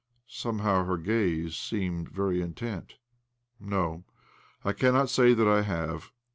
" Somehow her gaze seemed very intent. ' No, I cannot sa,y that I have."